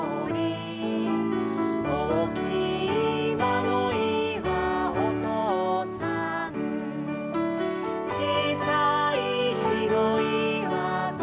「おおきいまごいはおとうさん」「ちいさいひごいはこどもたち」